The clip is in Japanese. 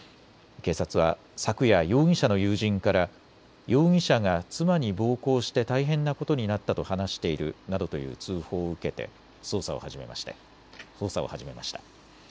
警察は昨夜、容疑者の友人から容疑者が妻に暴行して大変なことになったと話しているなどという通報を受けて捜査を始めました。